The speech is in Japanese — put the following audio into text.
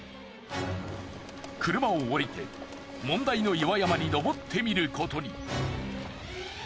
車を降りて問題の岩山に登ってみることに。